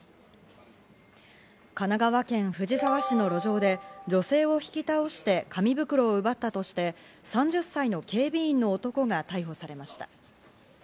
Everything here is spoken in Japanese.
神奈川県藤沢市の路上で女性を引き倒して紙袋を奪ったとして、３０歳の警備員の男が逮捕されました。